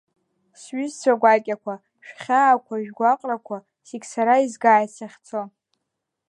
Сҩызцәа гәакьақәа, шәхьаақәа шәгәаҟрақәа зегьы сара изгааит сахьцо.